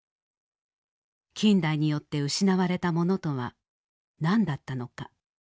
近代によって失われたものとは何だったのか。